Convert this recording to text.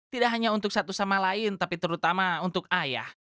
tidak hanya untuk satu sama lain tapi terutama untuk ayah